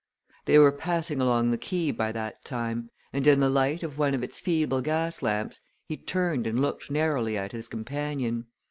They were passing along the quay by that time, and in the light of one of its feeble gas lamps he turned and looked narrowly at his companion.